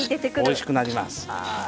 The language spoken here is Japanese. おいしくなります。